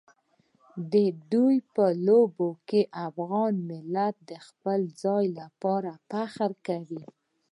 د دوی په لوبو کې افغان ملت د خپل ځای لپاره فخر کوي.